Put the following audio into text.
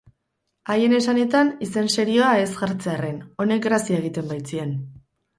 Haien esanetan, izen serioa ez jartzearren, honek grazia egiten baitzien.